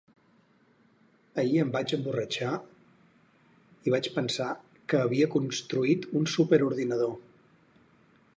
Ahir em vaig emborratxar i vaig pensar que havia construït un superordinador.